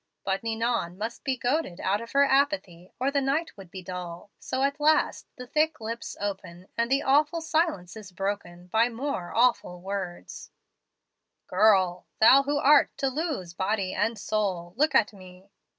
"But Ninon must be goaded out of her apathy, or the night would be dull; so at last the thick lips open, and the awful silence is broken by more awful words: "'Girl, thou who art to lose body and soul, look at me.'